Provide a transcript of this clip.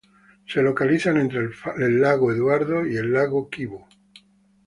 Se localizan entre el lago Eduardo y el lago Kivu.